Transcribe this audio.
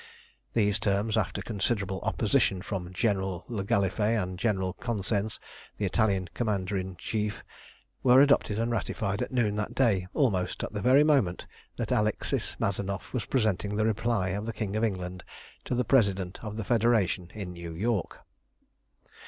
These terms, after considerable opposition from General le Gallifet and General Cosensz, the Italian Commander in Chief, were adopted and ratified at noon that day, almost at the very moment that Alexis Mazanoff was presenting the reply of the King of England to the President of the Federation in New York.